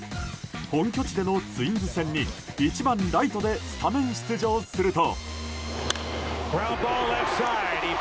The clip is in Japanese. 本拠地でのツインズ戦に１番ライトでスタメン出場すると。